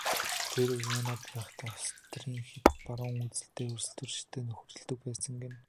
Тэр Венад байхдаа Австрийн хэт барууны үзэлтэй улстөрчтэй нөхөрлөдөг байсан гэнэ.